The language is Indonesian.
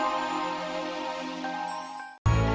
sampai jumpa lagi